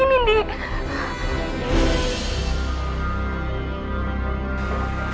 harusnya ndi ada di sana